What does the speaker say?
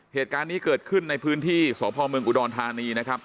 เหตุการณ์นี้เกิดขึ้นในพื้นที่สพเมืองอุดรธานีนะครับ